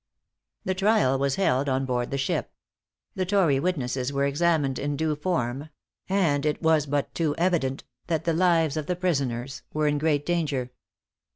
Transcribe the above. The trial was held on board the ship. The tory witnesses were examined in due form; and it was but too evident that the lives of the prisoners were in great danger.